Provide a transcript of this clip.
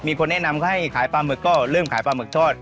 มีคนแนะนำให้ขายปลาหมึกก็เริ่มขายปลาหมึกทอด